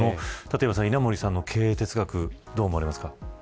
稲盛さんの経営哲学どう思われますか。